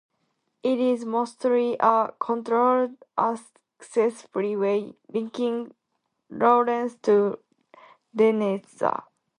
It is mostly a controlled-access freeway, linking Lawrence to Lenexa.